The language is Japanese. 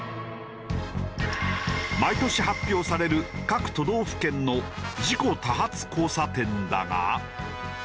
毎年発表される各都道府県の事故多発交差点だが。